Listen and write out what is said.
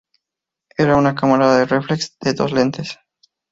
Era una cámara reflex de dos lentes.